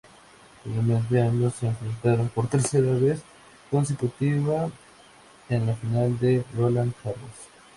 Finalmente, ambos se enfrentaron por tercera vez consecutiva en la final de Roland Garros.